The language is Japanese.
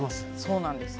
そうなんです。